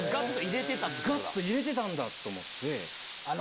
ガッ！と入れてたんだと思って。